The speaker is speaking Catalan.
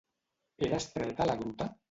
Era estreta la Gruta?